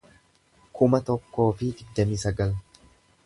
kuma tokkoo fi digdamii sagal